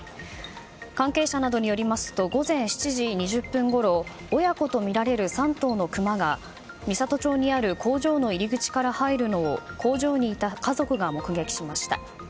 関係者などによりますと午前７時２０分ごろ親子とみられる３頭のクマが美郷町にある工場の入り口から入るのを工場にいた家族が目撃しました。